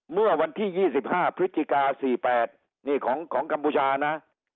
เมื่อวันที่๒๕พฤศจิกา๔๘นี่ของกัมพูชานะ